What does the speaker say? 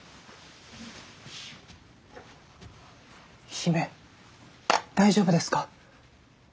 姫大丈夫ですか？